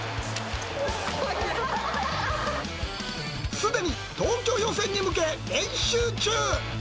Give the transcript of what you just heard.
すでに東京予選に向け、練習中。